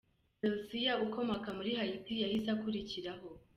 Phyllisia, ukomoka muri Haiti yahise akurikiraho.